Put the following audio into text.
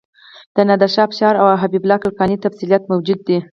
د نادر شاه افشار او حبیب الله کلکاني تفصیلات موجود دي.